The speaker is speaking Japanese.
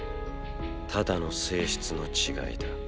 ただの性質の違いだ。